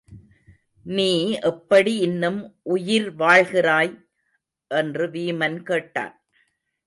நீ எப்படி இன்னும் உயிர் வாழ்கிறாய்? என்று வீமன் கேட்டான்.